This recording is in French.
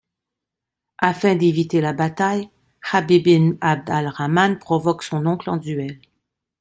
Afin d'éviter la bataille, Habib ibn Abd al-Rahman provoque son oncle en duel.